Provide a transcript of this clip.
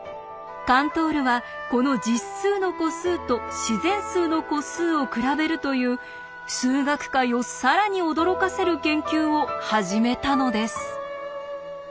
カントールはこの実数の個数と自然数の個数を比べるという数学界を更に驚かせる研究を始めたのです。